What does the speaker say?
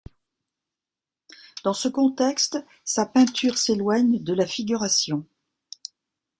Dans ce contexte sa peinture s'éloigne de la figuration.